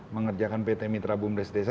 mengerjakan pt mitra bumdes